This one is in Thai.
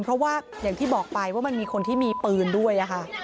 เพราะว่าอย่างที่บอกไปว่ามันมีคนที่มีปืนด้วยค่ะ